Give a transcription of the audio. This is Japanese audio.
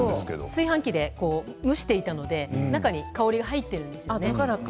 炊飯器で蒸していたので中に香りが入っているんですよね。